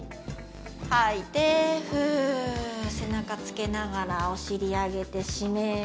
吐いてフゥー背中つけながらお尻上げて締める